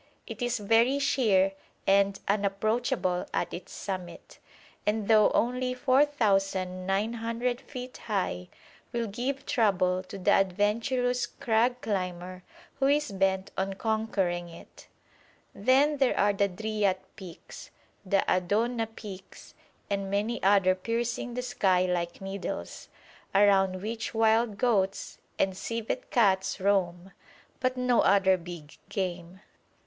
It is very sheer and unapproachable at its summit, and though only 4,900 feet high will give trouble to the adventurous crag climber who is bent on conquering it. Then there are the Driat peaks, the Adouna peaks, and many others piercing the sky like needles, around which wild goats and civet cats roam, but no other big game.